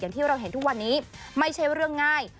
ที่เราเห็นทุกวันนี้ไม่ใช่เรื่องง่าย